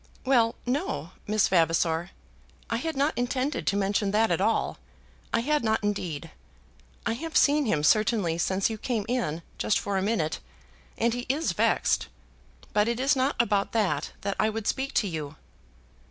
"Well; no, Miss Vavasor. I had not intended to mention that at all. I had not indeed. I have seen him certainly since you came in, just for a minute, and he is vexed. But it is not about that that I would speak to you."